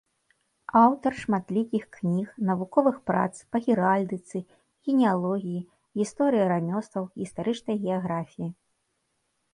Аўтар шматлікіх кніг, навуковых прац па геральдыцы, генеалогіі, гісторыі рамёстваў, гістарычнай геаграфіі.